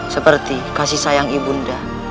seperti kasih sayang ibunda